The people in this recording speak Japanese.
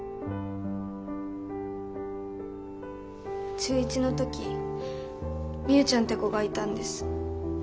中１の時みゆちゃんって子がいたんです。